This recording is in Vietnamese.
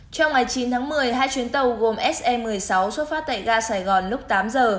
trong ngày chín tháng một mươi hai chuyến tàu gồm se một mươi sáu xuất phát tại ga sài gòn lúc tám giờ